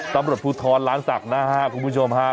สำหรับผู้ท้อนล้านศักดิ์นะฮะคุณผู้ชมฮะ